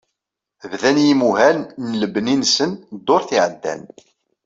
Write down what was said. Bdan yimuhal n lebni-nsen ddurt iɛeddan.